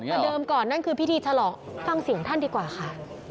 เดิมก่อนนั่นคือพิธีฉลองฟังเสียงท่านดีกว่าค่ะ